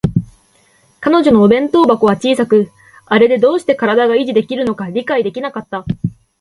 彼女のお弁当箱は小さく、あれでどうして身体が維持できるのか理解できなかった